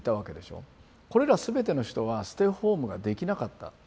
これら全ての人はステイホームができなかった。